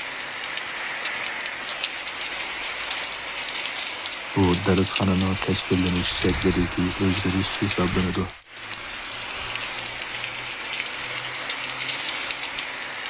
بۇ دەرسخانىنىڭ تەشكىللىنىش شەكلىدىكى ئۆزگىرىش ھېسابلىنىدۇ.